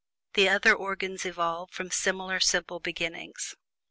The other organs evolve from similar simple beginnings.